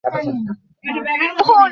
ওকে দেখতে চাই।